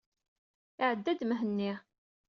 Iɛedda-d Mhenni.